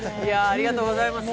ありがとうございます。